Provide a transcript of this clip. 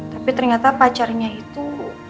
tapi ternyata pacarnya itu